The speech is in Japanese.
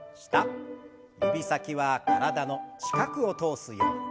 指先は体の近くを通すように。